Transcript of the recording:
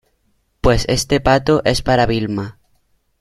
pues este pato es para Vilma.